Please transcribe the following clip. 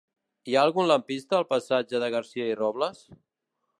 Hi ha algun lampista al passatge de Garcia i Robles?